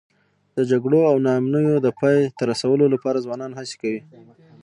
د جګړو او ناامنیو د پای ته رسولو لپاره ځوانان هڅې کوي.